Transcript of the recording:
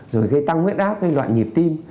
rồi gây tăng nguyễn áp gây loạn nhịp tim